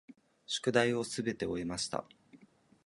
宿題をすべて終えました。